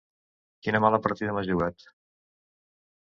Quina mala partida m'has jugat!